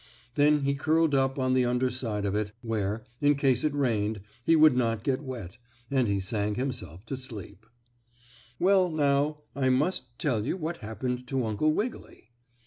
Then he curled up on the underside of it, where, in case it rained, he would not get wet, and he sang himself to sleep. Well, now, I must tell you what happened to Uncle Wiggily.